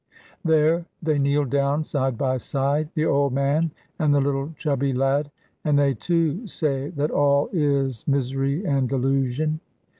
There they kneel down side by side, the old man and the little chubby lad, and they, too, say that all is misery and delusion.